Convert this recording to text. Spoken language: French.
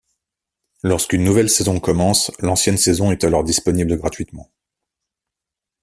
Lorsqu'une nouvelle saison commence, l'ancienne saison est alors disponible gratuitement.